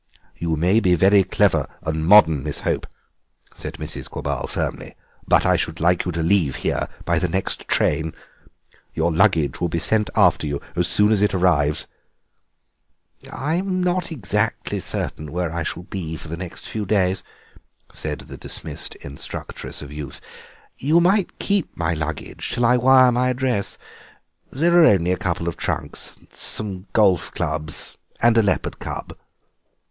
"You may be very clever and modern, Miss Hope," said Mrs. Quabarl firmly, "but I should like you to leave here by the next train. Your luggage will be sent after you as soon as it arrives." "I'm not certain exactly where I shall be for the next few days," said the dismissed instructress of youth; "you might keep my luggage till I wire my address. There are only a couple of trunks and some golf clubs and a leopard cub."